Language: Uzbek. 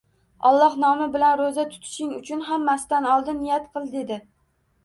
Alloh nomi bilan ro`za tutishing uchun hammasidan oldin niyat qil, dedi